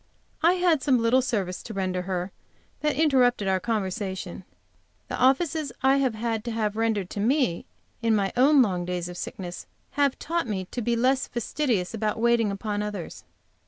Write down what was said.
I had some little service to render her which interrupted our conversation. The offices I have had to have rendered me in my own long days of sickness have taught me to be less fastidious about waiting upon others.